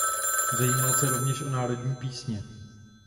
Zajímal se rovněž o národní písně.